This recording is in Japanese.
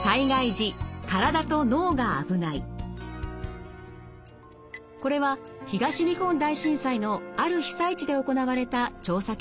まずはこれは東日本大震災のある被災地で行われた調査結果です。